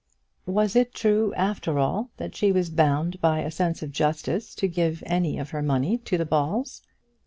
Was it true after all that she was bound by a sense of justice to give any of her money to the Balls?